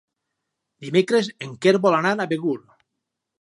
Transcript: Dimecres en Quer vol anar a Begur.